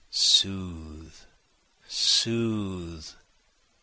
Soothe! soothe!